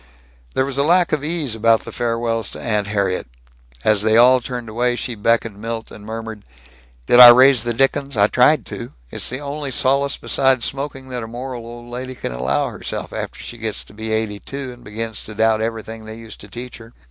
There was a lack of ease about the farewells to Aunt Harriet. As they all turned away she beckoned Milt and murmured, "Did I raise the dickens? I tried to. It's the only solace besides smoking that a moral old lady can allow herself, after she gets to be eighty two and begins to doubt everything they used to teach her.